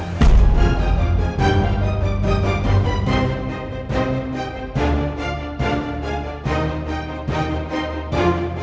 dan kalian berdua mabuk